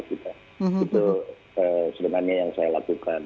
itu sebenarnya yang saya lakukan